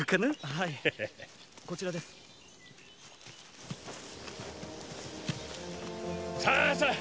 はいこちらですさあさあ